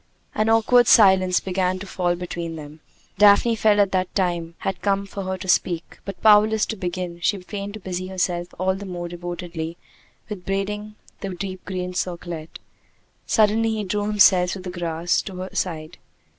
An awkward silence began to fall between them. Daphne felt that the time had come for her to speak. But, powerless to begin, she feigned to busy herself all the more devotedly with braiding the deep green circlet. Suddenly he drew himself through the grass to her side.